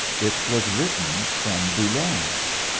It was written from Boulogne.